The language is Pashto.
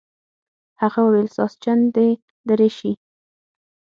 هغه وویل ساسچن دې لرې شي.